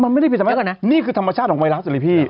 มันไม่ได้ผิดธรรมชาตินี่คือธรรมชาติของไวรัสอันนี้พี่